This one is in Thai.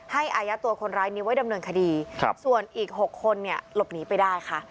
อายัดตัวคนร้ายนี้ไว้ดำเนินคดีส่วนอีก๖คนเนี่ยหลบหนีไปได้ค่ะ